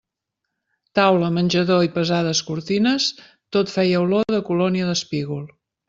Taula, menjador i pesades cortines, tot feia olor de colònia d'espígol.